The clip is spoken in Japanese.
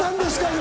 今。